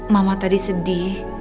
mama tadi sedih